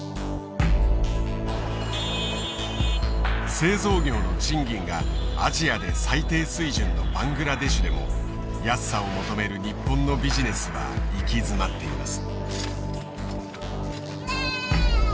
製造業の賃金がアジアで最低水準のバングラデシュでも安さを求める日本のビジネスは行き詰まっています。